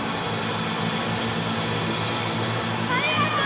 ありがとう！